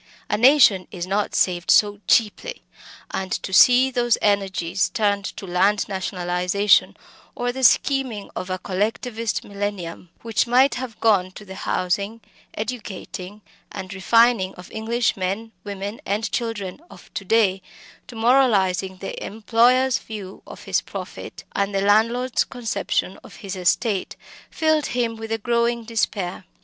A nation is not saved so cheaply! and to see those energies turned to land nationalisation or the scheming of a Collectivist millennium, which might have gone to the housing, educating, and refining of English men, women, and children of to day, to moralising the employer's view of his profit, and the landlord's conception of his estate filled him with a growing despair.